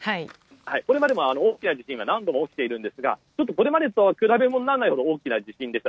これまでも大きな地震が何度も起きているんですがこれまでとは比べ物にならないほど大きな地震でした。